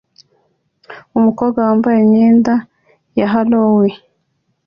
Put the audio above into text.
Umukobwa wambaye imyenda ya Halloween